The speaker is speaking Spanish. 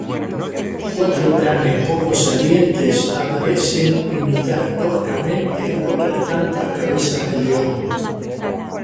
Cuatro canes poco salientes aparecen imitar toscamente otras tantas cabezas de león.